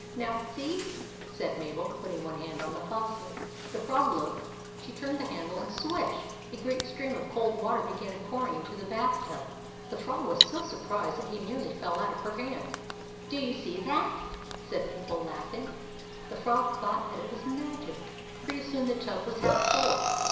" Now see," said Mabel, putting one hand on the faucet. The Frog looked ; she turned the handle, and, swish ! a great stream of cold water be gan pouring into the bath tub. The Frog was so surprised that he nearly fell out of her hand. "Do you see that?" said Mabel, laugh ing. The Frog thought that it was magic. Pretty soon the tub was half full.